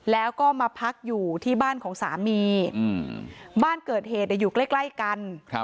แล้วก็มาพักอยู่ที่บ้านของสามีบ้านเกิดเหตุอยู่ใกล้กัน